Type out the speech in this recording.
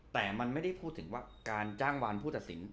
แต่มันไม่ได้พูดถึงว่าการจ้างวันผู้ตัดสิน